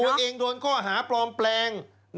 ตัวเองโดนข้อหาปลอมแปลง